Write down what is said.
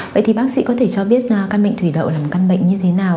vậy thì bác sĩ có thể cho biết căn bệnh thủy đậu là một căn bệnh như thế nào